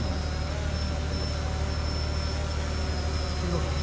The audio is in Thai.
สวัสดีทุกคน